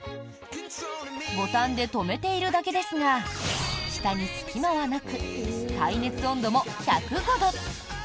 ボタンで留めているだけですが下に隙間はなく耐熱温度も１０５度。